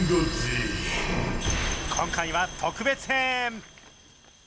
今回は特別編。